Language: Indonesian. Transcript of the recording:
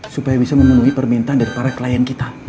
supaya bisa memenuhi permintaan dari para klien kita